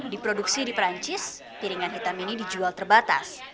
diproduksi di perancis piringan hitam ini dijual terbatas